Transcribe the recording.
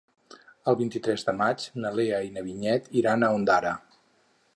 El vint-i-tres de maig na Lea i na Vinyet iran a Ondara.